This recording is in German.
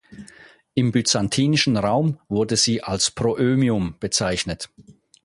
Im byzantinischen Raum wurde sie als Proömium bezeichnet.